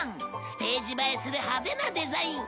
ステージ映えする派手なデザイン！